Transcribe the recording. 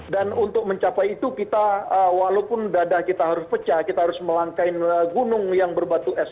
dan untuk mencapai itu kita walaupun dada kita harus pecah kita harus melangkah gunung yang berbatu es